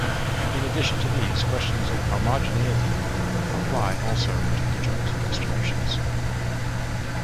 In addition to these, questions of homogeneity apply also to the joint distributions.